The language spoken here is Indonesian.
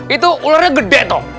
itu ularnya gede tong